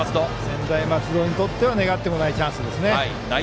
専大松戸にとっては願ってもないチャンスです。